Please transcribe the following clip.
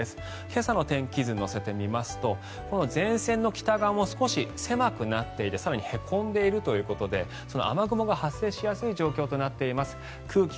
今朝の天気図を乗せてみますと前線の北が少し狭くなっていて更にへこんでいるということで雨雲が発生しやすい状況となっています。